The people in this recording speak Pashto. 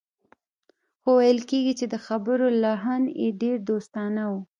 خو ویل کېږي چې د خبرو لحن یې ډېر دوستانه و